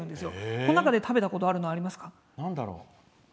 この中で食べたことあるのありますか？